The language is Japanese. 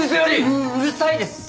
ううるさいです！